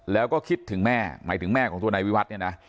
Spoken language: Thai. แล้วก็คิดถึงแม่หมายถึงแม่ของตัวนายวิวัฒน์เนี่ยนะ